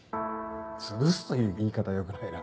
「つぶす」という言い方は良くないな。